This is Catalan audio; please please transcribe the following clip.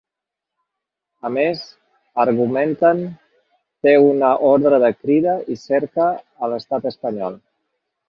A més, argumenten, té una ordre de crida i cerca a l’estat espanyol.